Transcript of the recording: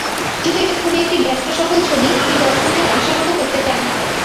যেহেতু এটা একটি খুবই ব্যবসাসফল ছবি, আমি দর্শকদের আশাহত করতে চাই না।